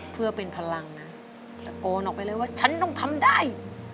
เพื่อเป็นพลังนะตะโกนออกไปเลยว่าฉันต้องทำได้